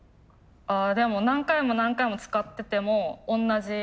あでも何回も何回も使ってても同じ。